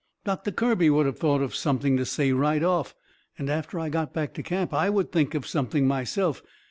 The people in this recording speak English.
Doctor Kirby would of thought of something to say right off. And after I got back to camp I would think of something myself.